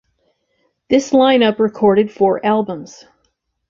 This line up recorded four albums.